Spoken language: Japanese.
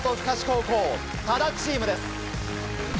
高校多田チームです。